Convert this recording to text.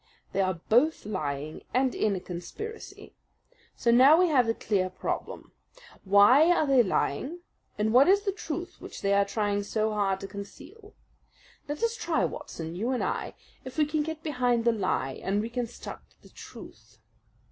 They are both lying, and in a conspiracy. So now we have the clear problem. Why are they lying, and what is the truth which they are trying so hard to conceal? Let us try, Watson, you and I, if we can get behind the lie and reconstruct the truth.